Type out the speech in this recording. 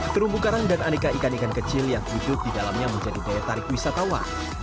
terumbu karang dan aneka ikan ikan kecil yang hidup di dalamnya menjadi daya tarik wisatawan